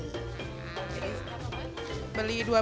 jadi berapa poinnya